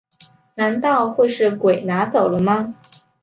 难道会是鬼拿走了吗